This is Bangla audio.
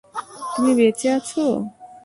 তুমি বেঁচে আছো।